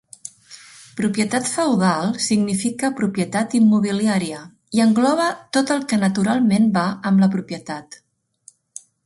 Propietat feudal significa propietat immobiliària, i engloba tot el que naturalment va amb la propietat.